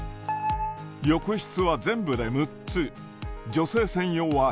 浴室は全部で６つ。